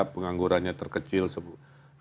penganggurannya terkecil sebutnya juga